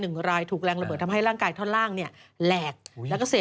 ซึ่งตอน๕โมง๔๕นะฮะทางหน่วยซิวได้มีการยุติการค้นหาที่